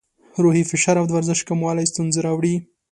روحي فشار او د ورزش کموالی ستونزې راوړي.